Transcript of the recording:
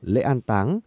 lễ an táng